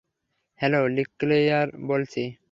Hello, লিক্লেয়ার বলছি।